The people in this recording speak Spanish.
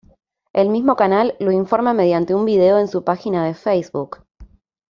El mismo canal lo informa mediante un video en su página de Facebook.